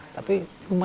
tapi lumayan banyak juga